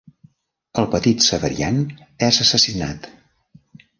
El petit Severian és assassinat.